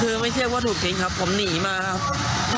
คือไม่เทียบว่าถูกทิ้งครับผมหนีมาครับ